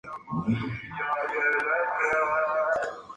Kurt Cobain llegó a compararse con Frances Farmer.